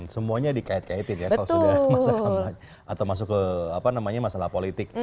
semuanya dikait kaitin ya kalau sudah masuk ke masalah politik